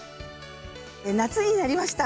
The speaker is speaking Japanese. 夏になりました。